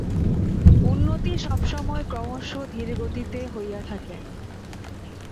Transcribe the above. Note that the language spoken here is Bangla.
উন্নতি সব সময় ক্রমশ ধীর গতিতে হইয়া থাকে।